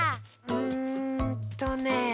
うんとね。